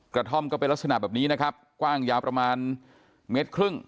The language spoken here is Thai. กระท่อมก็เป็นลักษณะแบบนี้นะครับกว้างยาวประมาณเมตรครึ่ง